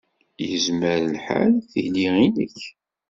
Yezmer lḥal tili i nekk.